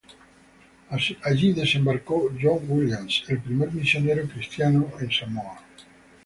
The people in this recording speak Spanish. Allí desembarcó John Williams, el primer misionero cristiano en Samoa.